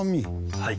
はい。